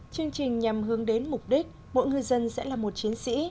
chương trình nhằm hướng đến mục đích mỗi ngư dân sẽ là một chiến sĩ